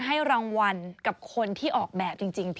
ให้รางวัลกับคนที่ออกแบบจริง